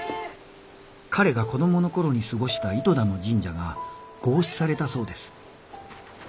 彼が子供の頃に過ごした糸田の神社が合祀されたそうです。